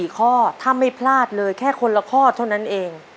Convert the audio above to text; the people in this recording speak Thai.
๔ข้อถ้าไม่พลาดเลยแค่คนละข้อเท่านั้นเอง